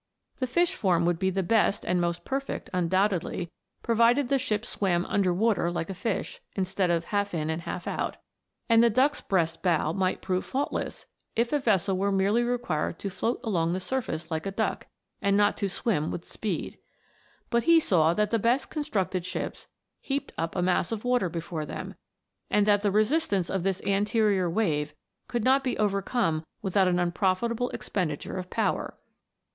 The fish form would be the best and most perfect, un doubtedly, provided the ship swam under water like a fish, instead of half in and half out ; and the duck's breast bow might prove faultless, if a vessel were merely required to float along the surface like a duck, and not to swim with speed. But he saw that the best constructed ships heaped up a mass of water before them, and that the resistance of this anterior wave could not be overcome without an unprofitable expenditure of power.